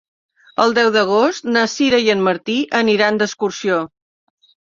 El deu d'agost na Sira i en Martí aniran d'excursió.